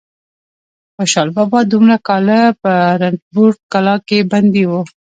خوشحال بابا دومره کاله په رنتبور کلا کې بندي و.